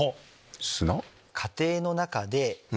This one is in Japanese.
・砂？